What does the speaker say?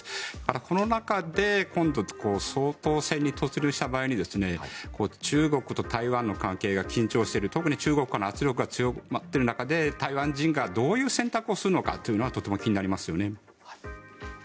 この中で、今度総統選に突入した場合に中国と台湾の関係が緊張している特に中国からの圧力が強まっている中で台湾人がどういう選択をするのかというのはとても気になりますよね。